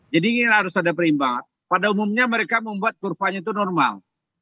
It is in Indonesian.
jadi ini yang harus ada perimbangan pada umumnya mereka membuat kurvanya itu normal